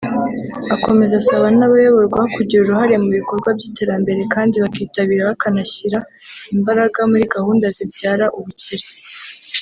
Akomeza asaba n’abayoborwa kugira uruhare mu bikorwa by’iterambere kandi bakitabira bakanashyira imbaraga muri gahunda zibyara ubukire